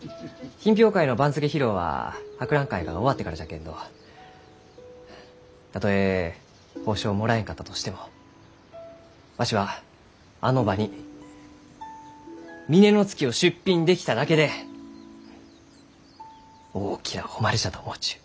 品評会の番付披露は博覧会が終わってからじゃけんどたとえ褒賞をもらえんかったとしてもわしはあの場に峰乃月を出品できただけで大きな誉れじゃと思うちゅう。